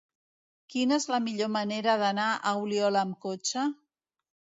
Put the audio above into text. Quina és la millor manera d'anar a Oliola amb cotxe?